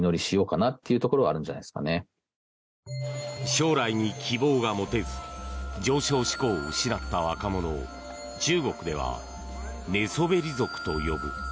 将来に希望が持てず上昇志向を失った若者を中国では寝そべり族と呼ぶ。